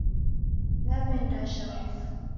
Naw'endasha mufu